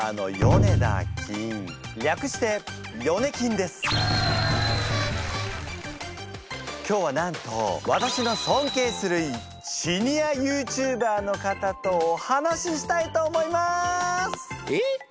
略して今日はなんと私の尊敬するシニアＹｏｕＴｕｂｅｒの方とお話ししたいと思います！